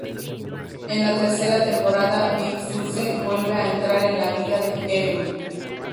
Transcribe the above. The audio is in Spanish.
En la tercera temporada, Big Suze vuelve a entrar en la vida de Jeremy.